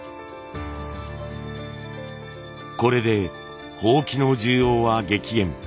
これで箒の需要は激減。